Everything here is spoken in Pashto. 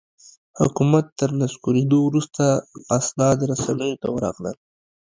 حکومت تر نسکورېدو وروسته اسناد رسنیو ته ورغلل.